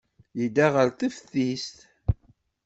Yedda ɣer teftist.